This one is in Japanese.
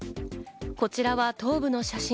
こちらは頭部の写真。